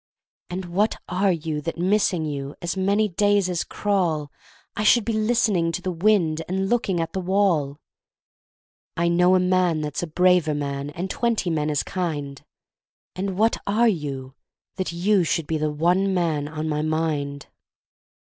And what are you that, missing you, As many days as crawl I should be listening to the wind And looking at the wall? I know a man that's a braver man And twenty men as kind, And what are you, that you should be The one man on my mind?